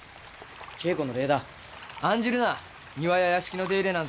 稽古の礼だ。案じるな。